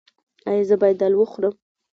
ایا زه باید دال وخورم؟